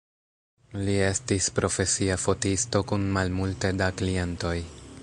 Li estis profesia fotisto kun malmulte da klientoj.